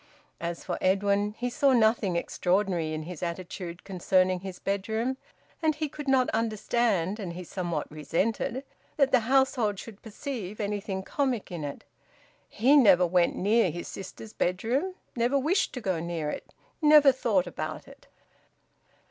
As for Edwin, he saw nothing extraordinary in his attitude concerning his bedroom; and he could not understand, and he somewhat resented, that the household should perceive anything comic in it. He never went near his sisters' bedroom, never wished to go near it, never thought about it.